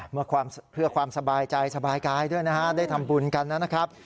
เพื่อความสบายใจสบายกายด้วยนะฮะได้ทำบุญกันนะครับ